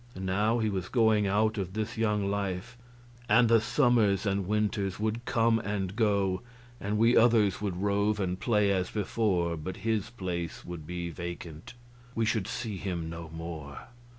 And now he was going out of this young life, and the summers and winters would come and go, and we others would rove and play as before, but his place would be vacant; we should see him no more.